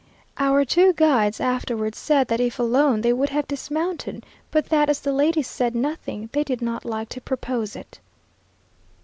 Our two guides afterwards said that if alone, they would have dismounted; but that as the ladies said nothing, they did not like to propose it.